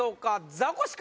ザコシか？